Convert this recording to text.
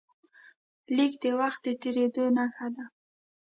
لیک د وخت د تېرېدو نښه ده.